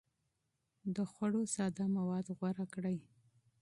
د خوړو ساده مواد غوره کړئ.